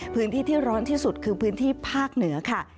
พื้นที่ที่ร้อนที่สุดคือพื้นที่ภาคเหนือค่ะ